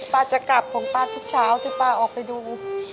จะกลับของป้าทุกเช้าที่ป้าออกไปดู